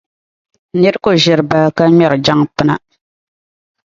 Nira ku ʒiri baa ka ŋmɛri jaŋ’ pina.